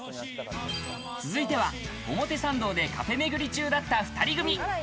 続いては表参道でカフェめぐり中だった、２人組。